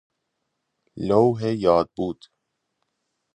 لوح یادبود